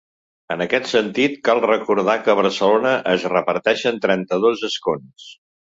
En aquest sentit, cal recordar que a Barcelona es reparteixen trenta-dos escons.